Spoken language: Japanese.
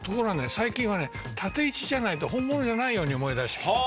最近は縦位置じゃないと本物じゃないように思いだしてきた。